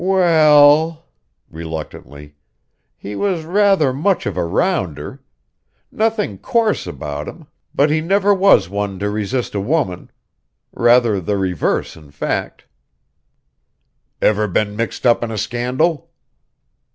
"We e ell" reluctantly "he was rather much of a rounder. Nothing coarse about him, but he never was one to resist a woman. Rather the reverse, in fact." "Ever been mixed up in a scandal?"